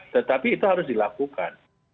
tetapi itu harus dilakukan